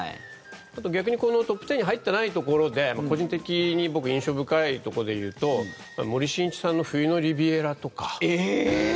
逆に、このトップ１０に入ってないところで個人的に僕、印象深いところで言うと森進一さんの「冬のリヴィエラ」とか。